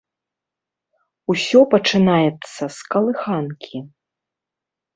Усё пачынаецца з калыханкі.